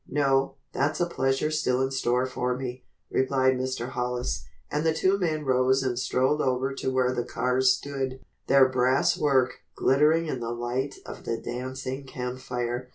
"No, that's a pleasure still in store for me," replied Mr. Hollis; and the two men rose and strolled over to where the cars stood, their brass work glittering in the light of the dancing campfire.